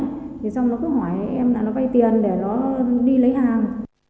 thì xong nó cứ hỏi em là nó vay tiền để nó đi lấy hàng